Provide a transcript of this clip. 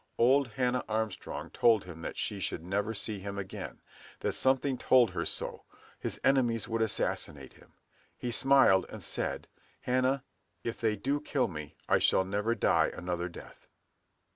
Old Hannah Armstrong told him that she should never see him again; that something told her so; his enemies would assassinate him. He smiled and said, "Hannah, if they do kill me, I shall never die another death."